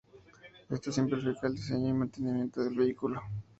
Esto simplifica el diseño y mantenimiento del vehículo.